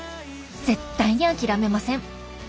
絶対に諦めません。